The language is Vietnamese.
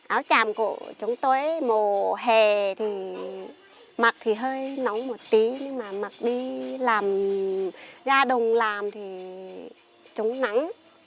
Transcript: áo tràm của chúng tôi mùa hè thì mặt thì hơi nóng một tí nhưng mà mặt đi làm ra đồng làm thì trúng nắng